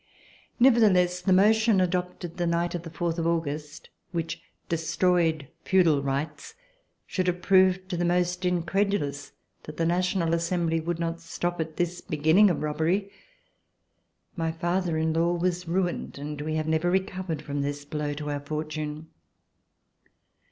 Nevertheless, the motion adopted the night of the fourth of August, which destroyed feudal rights, should have proved to the most incredulous that the National Assembly would not stop at this beginning of robbery. My father in law was ruined, and we have never recovered from this blow to our fortune.